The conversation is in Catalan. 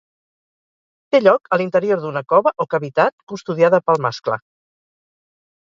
Té lloc a l'interior d'una cova o cavitat custodiada pel mascle.